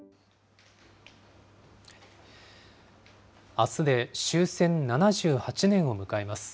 あすで終戦７８年を迎えます。